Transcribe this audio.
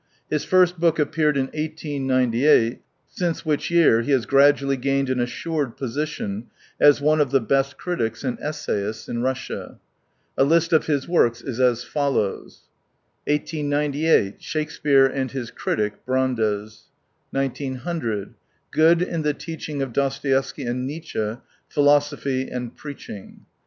His first book appeared in 1898, since which year he has gradually gained an assured position as one of the best critics and essajdsts in Russia. A list of his works is as follows :— 1898. Shakespeare and his Critic, Bfandes. 1900. Good in the Teaching of Dostoevsky and Nietzsche : Phifosophy and Preaching.